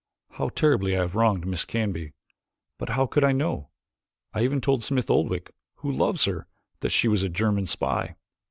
How terribly I have wronged Miss Canby, but how could I know? I even told Smith Oldwick, who loves her, that she was a German spy.